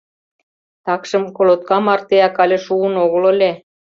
Такшым колотка мартеак але шуын огыл ыле.